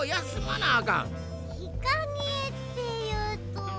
ひかげっていうと。